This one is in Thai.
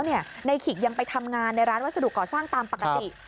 นายขิกยังไปทำงานในร้านวัสดุก่อสร้างตามปกติ